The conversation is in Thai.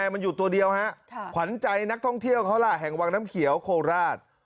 มันอยู่ตัวเดียวฮะขวัญใจนักท่องเที่ยวเขาล่ะแห่งวังน้ำเขียวโคราช